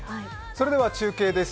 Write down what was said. それでは中継です。